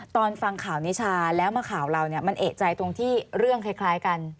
ตอนฟังข่าวนิชาแล้วมาข่าวเราเนี่ยมันเอกใจตรงที่เรื่องคล้ายกัน